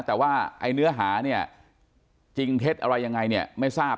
แต่ว่าเนื้อหาจริงเท็จอะไรยังไงไม่ทราบ